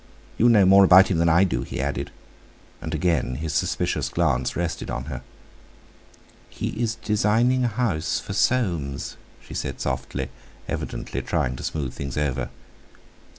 You know more about him than I do," he added; and again his suspicious glance rested on her. "He is designing a house for Soames," she said softly, evidently trying to smooth things over.